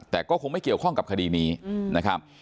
แต่ก็คงไม่เกี่ยวข้องกับคดีนี้นะครับ